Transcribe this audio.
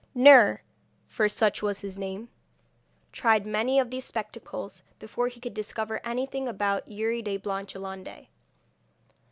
Nur, for such was his name, tried many of these spectacles before he could discover anything about Youri de Blanchelande.